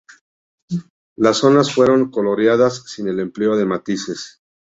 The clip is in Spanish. Las zonas fueron coloreadas sin el empleo de matices.